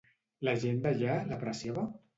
La gent d'allà l'apreciava?